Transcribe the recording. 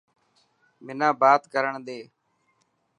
منان بان ڪرڻ ڏي.